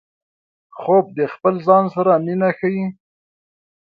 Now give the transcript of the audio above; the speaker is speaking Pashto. خوب د خپل ځان سره مینه ښيي